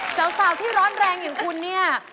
สาวที่ร้อนแรงอย่างคุณเนี่ย